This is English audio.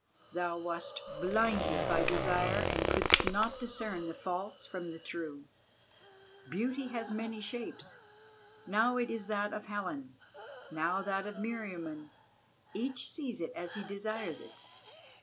Thou wast blinded by desire and couldst not discern the False from the True. Beauty has many shapes, now it is that of Helen, now that of Meriamun, each sees it as he desires it.